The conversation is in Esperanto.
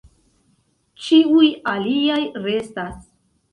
Ĉiuj aliaj restas.